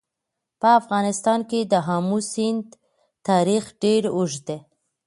په افغانستان کې د آمو سیند تاریخ ډېر اوږد دی.